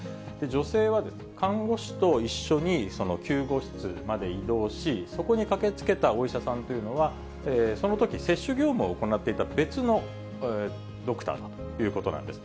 女性は看護師と一緒に救護室まで移動し、そこに駆けつけたお医者さんというのは、そのとき、接種業務を行っていた別のドクターだということなんです。